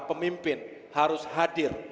pemimpin harus hadir